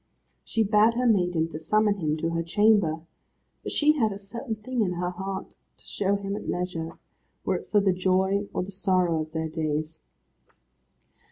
She bade her maiden to summon him to her chamber, for she had a certain thing in her heart to show him at leisure, were it for the joy or the sorrow of their days.